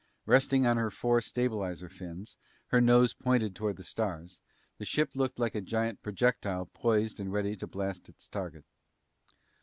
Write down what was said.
Resting on her four stabilizer fins, her nose pointed toward the stars, the ship looked like a giant projectile poised and ready to blast its target.